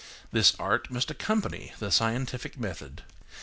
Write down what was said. This art must accompany the scientific method.